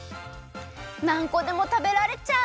なんこでもたべられちゃう！